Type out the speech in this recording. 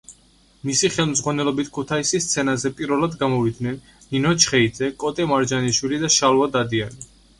მისი ხელმძღვანელობით ქუთაისის სცენაზე პირველად გამოვიდნენ: ნინო ჩხეიძე, კოტე მარჯანიშვილი და შალვა დადიანი.